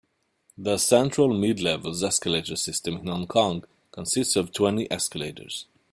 The Central-Midlevels escalator system in Hong Kong consists of twenty escalators.